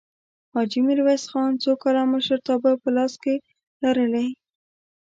حاجي میرویس خان څو کاله مشرتابه په لاس کې لرلې؟